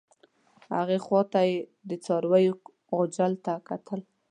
هغې خوا ته یې د څارویو غوجل ته کتل.